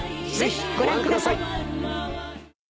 ぜひご覧ください。